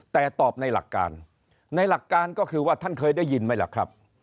แต่ตอบในหลักการในหลักการก็คือว่าท่านเคยได้ยินไหมล่ะครับ